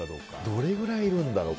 どれぐらいいるんだろう。